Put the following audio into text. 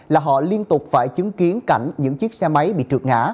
là họ liên tục phải chứng kiến cảnh những chiếc xe máy bị trượt ngã